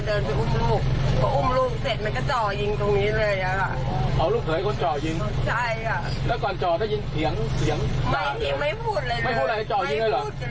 อันนี้ไม่ทำเห็นขั้งหน้าฆาตรับหลานดูไม่คิดว่ามันจะจิง